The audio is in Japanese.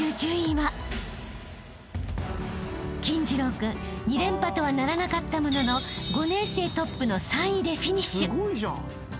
［金次郎君２連覇とはならなかったものの５年生トップの３位でフィニッシュ］